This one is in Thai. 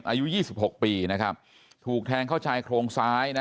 อายุยี่สิบหกปีนะครับถูกแทงเข้าชายโครงซ้ายนะ